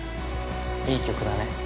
いい曲だね。